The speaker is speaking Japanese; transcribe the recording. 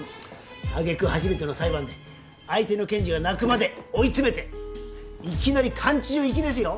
揚げ句初めての裁判で相手の検事が泣くまで追い詰めていきなり監置場行きですよ。